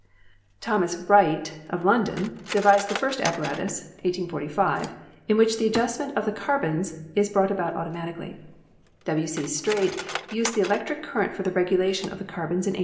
225 226 ELECTRICITY Thomas Wright, of London, devised the first apparatus (1845) in which the adjustment of the carbons is brought about automatically. W. C. Staite used the electric cur rent for the regulation of the carbons in 1848.